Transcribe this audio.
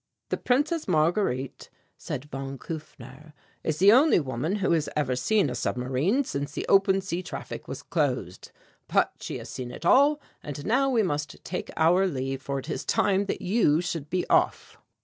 "The Princess Marguerite," said von Kufner, "is the only woman who has ever seen a submarine since the open sea traffic was closed. But she has seen it all and now we must take our leave for it is time that you should be off."